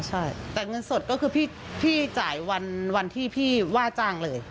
ใช่แต่เงินสดก็คือพี่จ่ายวันที่พี่ว่าจ้างเลย